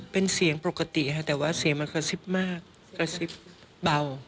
เป็นเสียงปกติค่ะแต่ว่าเสียงมันกระซิบมากกระซิบเบา